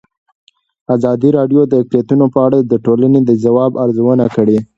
ازادي راډیو د اقلیتونه په اړه د ټولنې د ځواب ارزونه کړې.